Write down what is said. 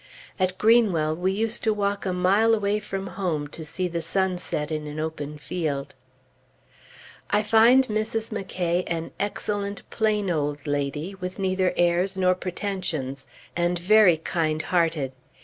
At Greenwell, we used to walk a mile away from home to see the sun set in an open field. I find Mrs. McCay an excellent, plain old lady, with neither airs nor pretentions, and very kind hearted.